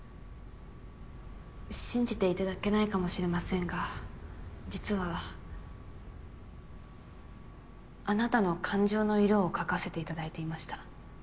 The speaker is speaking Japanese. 信じて頂けないかもしれませんが実はあなたの感情の色を描かせて頂いていました。